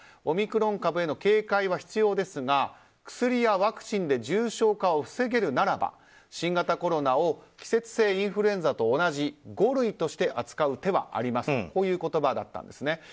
オミクロン株への警戒は必要ですが薬やワクチンで重症化を防げるならば新型コロナを季節性インフルエンザと同じ五類として扱う手はありますという言葉だったんです。